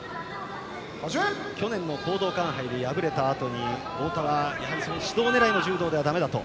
去年の講道館杯で敗れたあとに太田は、指導狙いの柔道ではだめだと。